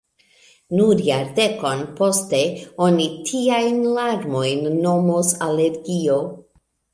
Nur jardekon poste oni tiajn larmojn nomos alergio.